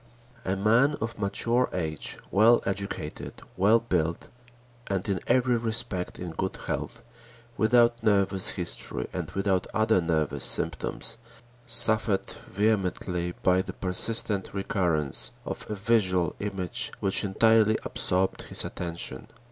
A man of mature age, well educated, well built and in every respect in good health, without nervous history and without other nervous symptoms, suffered vehemently by the persistent recurrence of a visual image which entirely absorbed his attention.